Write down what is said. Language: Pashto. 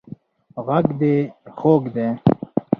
غږ دې خوږ دی